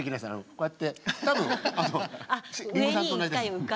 こうやって多分林檎さんと同じです。